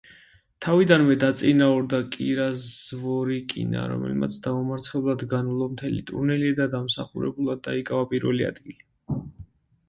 თავიდანვე დაწინაურდა კირა ზვორიკინა, რომელმაც დაუმარცხებლად განვლო მთელი ტურნირი და დამსახურებულად დაიკავა პირველი ადგილი.